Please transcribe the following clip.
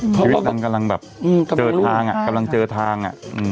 ชีวิตนั้นกำลังแบบเจอทาง